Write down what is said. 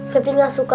febri gak suka